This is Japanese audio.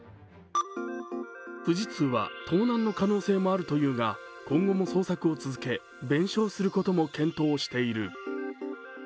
富士通は盗難の可能性もあるというが今後も捜索を続け、弁償することも検討している。